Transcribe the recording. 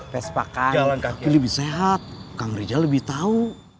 pesepah kan lebih sehat kang rijal lebih tahu